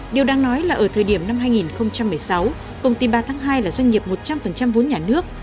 điều đang nói là ở thời điểm năm hai nghìn một mươi sáu công ty ba tháng hai là doanh nghiệp một trăm linh vốn nhà nước